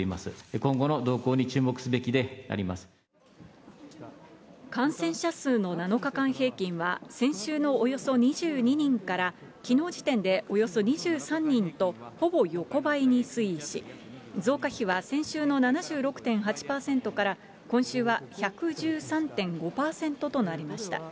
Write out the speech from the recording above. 今後の動向に注目すべきで感染者数の７日間平均は、先週のおよそ２２人から、きのう時点でおよそ２３人と、ほぼ横ばいに推移し、増加比は先週の７６．８％から今週は１１３．５％となりました。